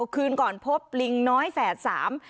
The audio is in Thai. คืนก่อนพบลิงน้อยแฝดสาม